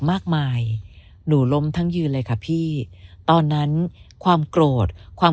มากมายหนูล้มทั้งยืนเลยค่ะพี่ตอนนั้นความโกรธความ